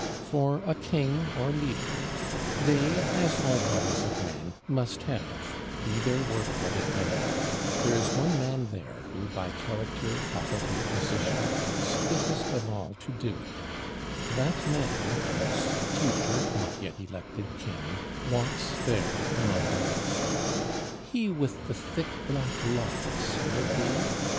For a king or leader they, as all bodies of men, must have, be their work what it may; there is one man there who, by character, faculty, position, is fittest of all to do it; that man, as future, not yet elected king walks there among the rest. He with the thick black locks, will it be?